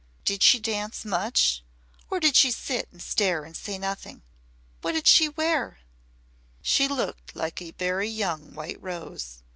Did she dance much? Or did she sit and stare and say nothing? What did she wear?" "She looked like a very young white rose.